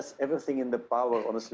memiliki semua kekuatan